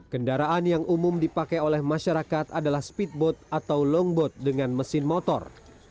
kendaraan yang umum dipakai oleh masyarakat adalah speedboat atau longboat dengan mesin motor